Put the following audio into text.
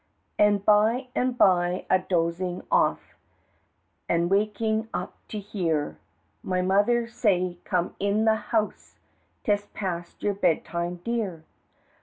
An' by an' by, a dozin' off, An' wakin' up to hear My mother say: "Come in the house, 'Tis past your bedtime, dear."